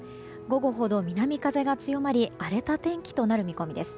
午後ほど南風が強まり荒れた天気となる見込みです。